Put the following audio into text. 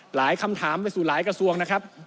คำถามไปสู่หลายกระทรวงนะครับ